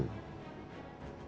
juga mengerahkan kendaraan mobil